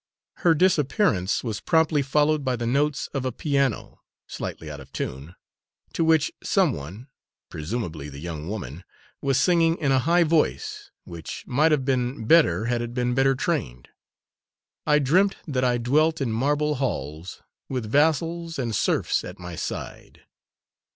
Her disappearance was promptly followed by the notes of a piano, slightly out of tune, to which some one presumably the young woman was singing in a high voice, which might have been better had it been better trained, _"I dreamt that I dwe elt in ma arble halls With vassals and serfs at my si i ide."